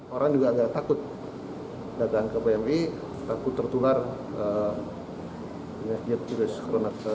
orang juga agak takut datang ke pmi takut tertular